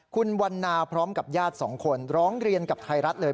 คุณวันนาพร้อมกับญาติสองคนร้องเรียนกับไทยรัฐเลย